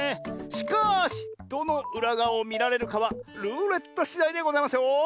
しかしどのうらがわをみられるかはルーレットしだいでございますよ。